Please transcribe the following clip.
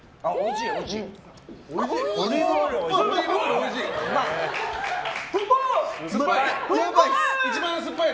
おいしい！